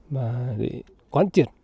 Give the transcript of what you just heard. và quán triển